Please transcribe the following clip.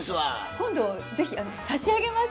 今度是非差し上げます。